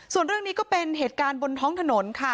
ส่วนเรื่องนี้ก็เป็นเหตุการณ์บนท้องถนนค่ะ